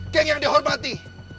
geng yang dihormati